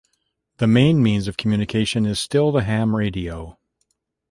The main means of communication is still the ham radio.